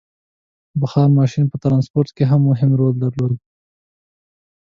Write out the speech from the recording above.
• بخار ماشین په ټرانسپورټ کې مهم رول درلود.